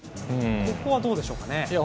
ここはどうでしょうかね。